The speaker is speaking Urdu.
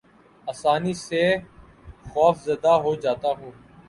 آسانی سے خوف زدہ ہو جاتا ہوں